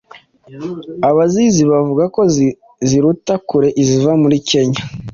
Abazizi bavuga ko ziruta kure iziva muri Kenya